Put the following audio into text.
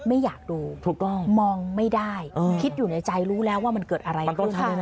ไม่อยากดูถูกต้องมองไม่ได้คิดอยู่ในใจรู้แล้วว่ามันเกิดอะไรขึ้น